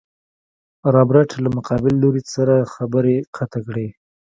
رابرټ له مقابل لوري سره خبرې قطع کړې.